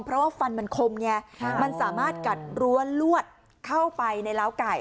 เพราะว่าฟันมันคมไงมันสามารถกัดรั้วลวดเข้าไปในล้าวไก่